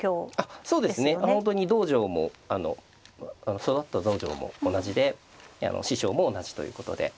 本当に道場も育った道場も同じで師匠も同じということで。